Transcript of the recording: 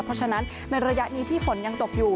เพราะฉะนั้นในระยะนี้ที่ฝนยังตกอยู่